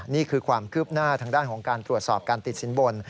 นี่คือความคืบหน้าทางด้านของการตรวจสอบการติดสินบน